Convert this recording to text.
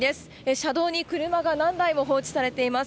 車道に車が何台も放置されています。